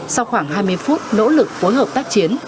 sau khoảng hai mươi phút nỗ lực phối hợp tác chiến